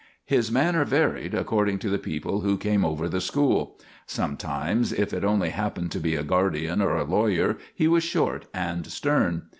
His manner varied according to the people who came over the school. Sometimes, if it only happened to be a guardian or a lawyer, he was short and stern.